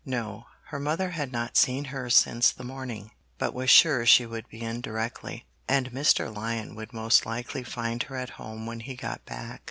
No; her mother had not seen her since the morning, but was sure she would be in directly, and Mr. Lyon would most likely find her at home when he got back.